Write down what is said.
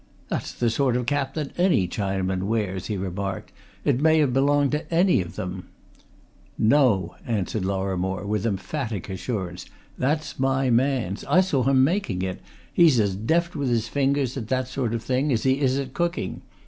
"That's the sort of cap that any Chinaman wears," he remarked. "It may have belonged to any of them." "No!" answered Lorrimore, with emphatic assurance. "That's my man's. I saw him making it he's as deft with his fingers, at that sort of thing, as he is at cooking.